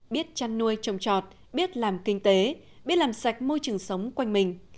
biết chăn nuôi trồng trọt biết làm kinh tế biết làm sạch môi trường sống quanh mình